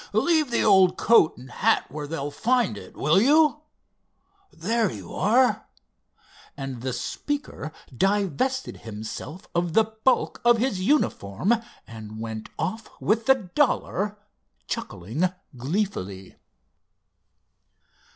Leave the old coat and hat where they'll find it, will you? There you are," and the speaker divested himself of the bulk of his uniform, and went off with the dollar, chuckling gleefully.